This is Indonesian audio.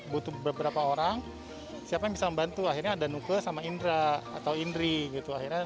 butuh beberapa orang siapa yang bisa membantu akhirnya ada nuke sama indra atau indri gitu akhirnya